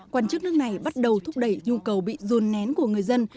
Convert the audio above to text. quan chức nước này bắt đầu thúc đẩy nhu cầu bị ruồn nén của người dân